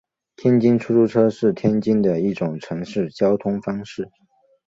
天津出租车是天津的一种城市交通方式。